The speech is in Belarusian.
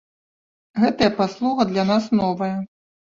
Гэтая паслуга для нас новая.